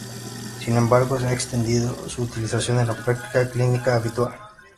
Sin embargo, se ha extendido su utilización en la práctica clínica habitual.